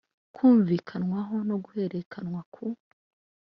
Kumvikanwaho no guhererekanywa ku